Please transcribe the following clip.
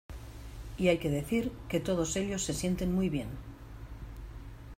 Y hay que decir que todos ellos se sienten muy bien.